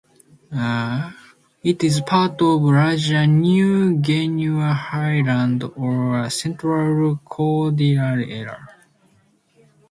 It is part of the larger New Guinea Highlands or Central Cordillera.